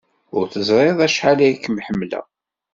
Ur teẓrid acḥal ay kem-ḥemmleɣ.